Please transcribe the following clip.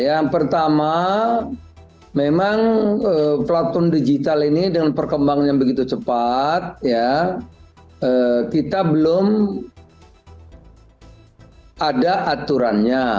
yang pertama memang pelatun digital ini dengan perkembangannya begitu cepat kita belum ada aturannya